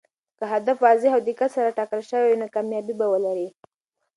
که هدف واضح او دقت سره ټاکل شوی وي، نو کامیابي به ولري.